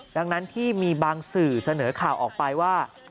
ดังนั้นที่มีบางสื่อเสนอข่าวออกไปว่า